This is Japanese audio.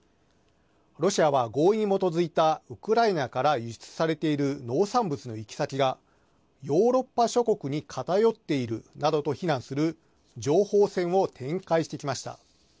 ロシアは合意に基づいたウクライナから輸出されている農産物の行き先がヨーロッパ諸国に偏っているなどと非難する情報戦を展開してきました。